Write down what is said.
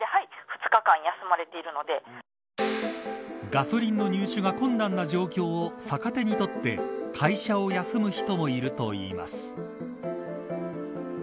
ガソリンの入手が困難な状況を逆手にとって会社を休む人もいるといいます。